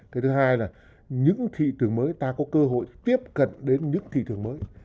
cái thứ hai là những thị trường mới ta có cơ hội tiếp cận đến những thị trường mới